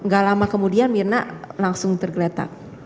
gak lama kemudian mirna langsung tergeletak